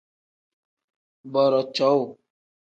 Booroo cowuu.